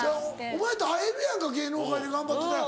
お前会えるやんか芸能界で頑張ってたら。